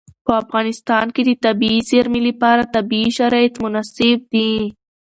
په افغانستان کې د طبیعي زیرمې لپاره طبیعي شرایط مناسب دي.